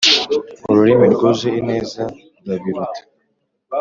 ururimi rwuje ineza rurabiruta.